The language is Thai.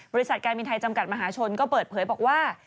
บริษัทการบินไทยจำกัดมหาชนก็เปิดเผยบอกว่า